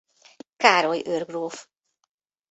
Károly őrgróf.